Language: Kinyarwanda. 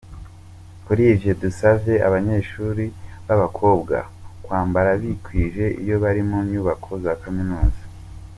"Kuri ivyo dusavye abanyeshuli b'abakobwa kwambara bikwije iyo bari mu nyubakwa za Kaminuza.